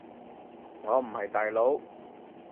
我唔係大佬